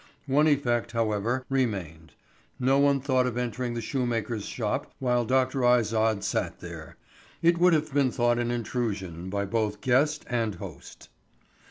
One effect, however, remained. No one thought of entering the shoemaker's shop while Dr. Izard sat there. It would have been thought an intrusion by both guest and host.